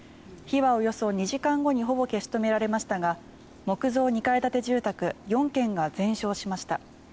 火はおよそ２時間後にほぼ消し止められましたが木造２階建て住宅４軒が全焼しました。